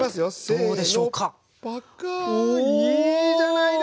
いいじゃないですか！